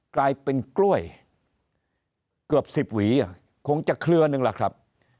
กลายเป็นกล้วยเกือบ๑๐หวีคงจะเคลือนึงล่ะครับ